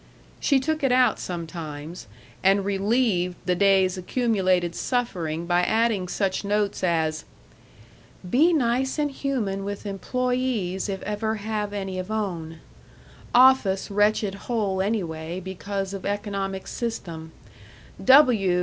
She took it out sometimes, and relieved the day's accumulated suffering by adding such notes as: "Be nice & human w. employes if ever have any of own; office wretched hole anyway bec. of econ. system; W.